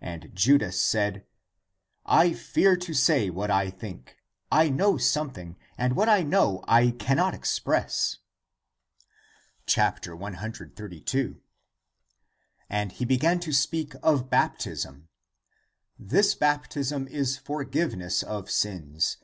And Judas said, " I fear to say what I think. I know something, and what I know I can not express." 132. And he began to speak of baptism: " This baptism is forgiveness of sins.